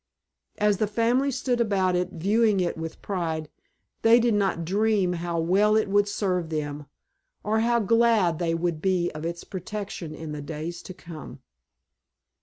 As the family stood about it viewing it with pride they did not dream how well it would serve them, or how glad they would be of its protection in the days to come.